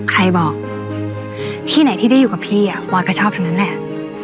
ใครบอกที่ไหนที่ได้อยู่กับพี่ปอยก็ชอบทั้งนั้นแหละ